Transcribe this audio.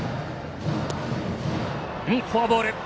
フォアボール。